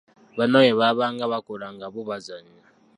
Bannaabwe baabanga bakola nga bo bazannya.